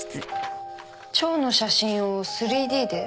腸の写真を ３Ｄ で？